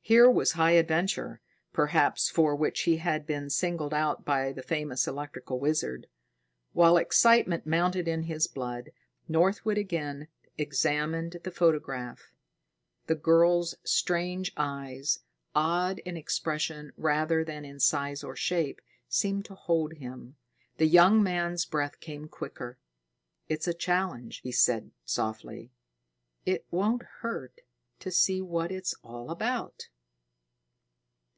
Here was high adventure, perhaps, for which he had been singled out by the famous electrical wizard. While excitement mounted in his blood, Northwood again examined the photograph. The girl's strange eyes, odd in expression rather than in size or shape, seemed to hold him. The young man's breath came quicker. "It's a challenge," he said softly. "It won't hurt to see what it's all about."